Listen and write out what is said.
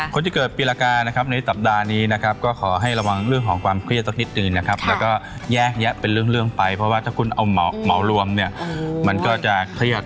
คนที่เกิดปีรากานะครับในสัปดาห์นี้นะครับก็ขอให้ระวังเรื่องของความเครียดสักนิดหนึ่งนะครับแล้วก็แยกแยะเป็นเรื่องไปเพราะว่าถ้าคุณเอาเหมารวมเนี่ยมันก็จะเครียด